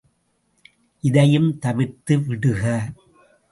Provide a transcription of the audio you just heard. இதையும் தவிர்த்து விடுக.